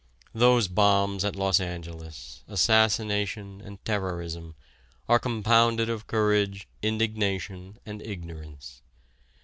Those bombs at Los Angeles, assassination and terrorism, are compounded of courage, indignation and ignorance.